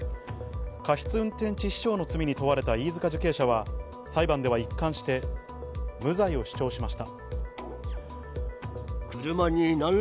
過失運転致死傷の罪に問われた飯塚受刑者は、裁判では一貫して無罪を主張しました。